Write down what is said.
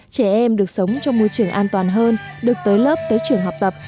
trẻ em được sống trong môi trường an toàn hơn được tới lớp tới trường học tập